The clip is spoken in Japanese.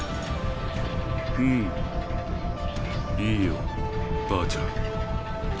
うんいいよばあちゃん。